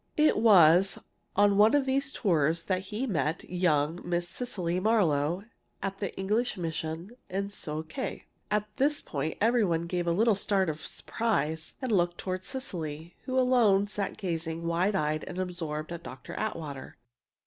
"It was on one of these tours that he met young Miss Cecily Marlowe at the English mission in Sio khé " At this point every one gave a little start of surprise and looked toward Cecily, who alone sat gazing, wide eyed and absorbed, at Dr. Atwater.